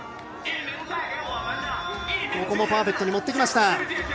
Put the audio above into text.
ここもパーフェクトに持っていきました。